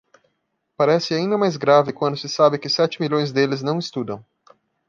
parece ainda mais grave quando se sabe que sete milhões deles não estudam